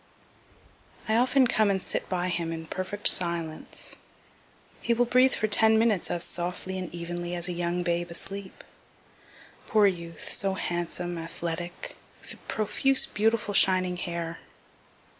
I often come and sit by him in perfect silence; he will breathe for ten minutes as softly and evenly as a young babe asleep. Poor youth, so handsome, athletic, with profuse beautiful shining hair.